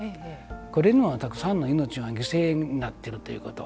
これにもたくさんの命が犠牲になっているということ。